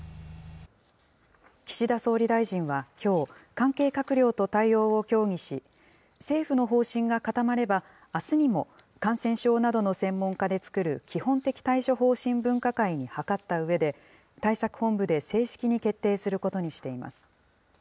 岸田総理大臣はきょう、関係閣僚と対応を協議し、政府の方針が固まれば、あすにも、感染症などの専門家で作る基本的対処方針分科会に諮ったうえで、対策本部で正式に決定することにしています。